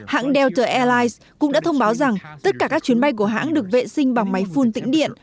hãng delta airlines cũng đã thông báo rằng tất cả các chuyến bay của hãng được vệ sinh bằng máy phun tĩnh điện